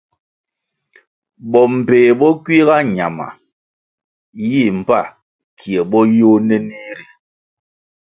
Bo mbpéh bo kuiga ñama yih mbpa kie bo yôh nenih ri.